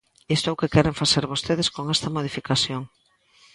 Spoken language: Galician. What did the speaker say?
Isto é o que queren facer vostedes con esta modificación.